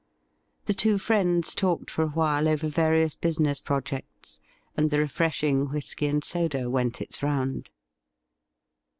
The two friends talked for a while over various business projects, and the refreshing whisky and soda went its round.